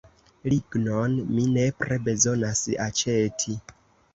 Lignon mi nepre bezonas aĉeti.